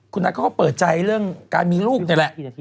คุณนัทเขาก็เปิดใจเรื่องการมีลูกนี่แหละ